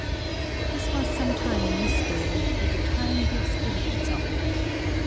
" This was some time a mystery : but the time gives evidence of it."